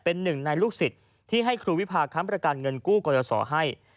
เป็นหนึ่งในลูกศิษย์ที่ให้ครูวิพาค้ำประกันเงินกู้กรยศรให้